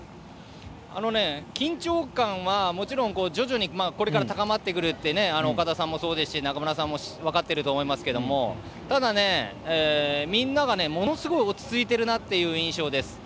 緊張感はもちろん徐々にこれから高まってくるって岡田さんも中村さんも分かってると思いますけどただ、みんながものすごい落ち着いている印象です。